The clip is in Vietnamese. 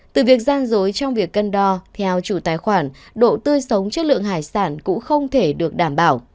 từ việc gian dối trong việc cân đo theo chủ tài khoản độ tươi sống chất lượng hải sản cũng không thể được đảm bảo